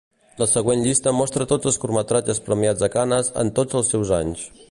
La següent llista mostra tots els curtmetratges premiats a Canes en tots els seus anys.